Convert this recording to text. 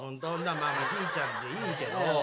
まあひーちゃんでいいけど。